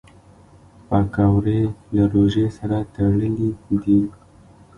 پکورې له روژې سره تړلي دي